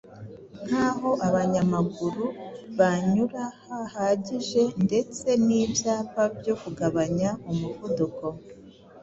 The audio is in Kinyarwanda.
nkaaho abanyamaguru banyura hahagije ndetse n’ibyapa byo kugabanya umuvuduko.